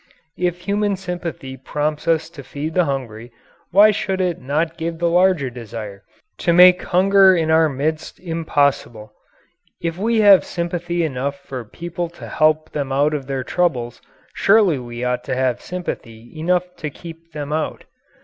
If human sympathy prompts us to feed the hungry, why should it not give the larger desire to make hunger in our midst impossible? If we have sympathy enough for people to help them out of their troubles, surely we ought to have sympathy enough to keep them out.